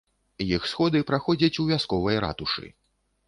Іх сходы праходзяць у вясковай ратушы.